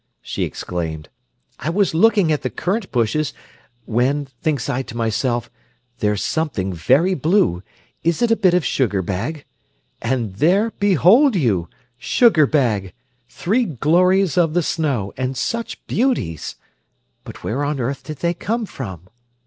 she exclaimed. "I was looking at the currant bushes, when, thinks I to myself, 'There's something very blue; is it a bit of sugar bag?' and there, behold you! Sugar bag! Three glories of the snow, and such beauties! But where on earth did they come from?"